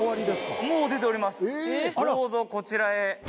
どうぞこちらへ。